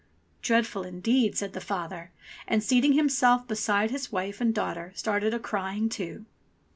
"Dreadful indeed!" said the father, and seating him self beside his wife and daughter started a crying too.